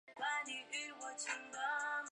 就是战国的齐桓公。